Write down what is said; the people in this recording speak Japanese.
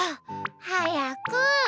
はやく。